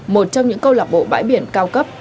một trong những câu lạc bộ bãi biển cao cấp